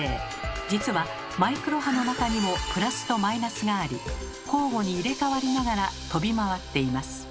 実はマイクロ波の中にもプラスとマイナスがあり交互に入れかわりながら飛び回っています。